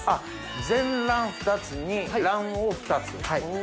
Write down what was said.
全卵２つに卵黄２つ。